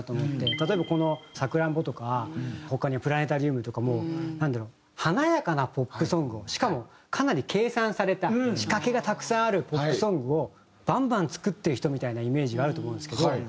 例えばこの『さくらんぼ』とか他には『プラネタリウム』とかもなんだろう華やかなポップソングをしかもかなり計算された仕掛けがたくさんあるポップソングをバンバン作ってる人みたいなイメージがあると思うんですけど。